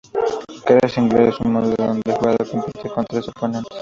Carrera Singular es un modo en donde el jugador compite con tres oponentes.